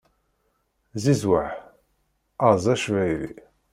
Zizweḥ, eṛẓ acbayli!